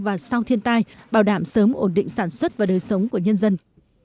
và sau thiên tai bảo đảm sớm ổn định sản xuất và đời sống của nhân dân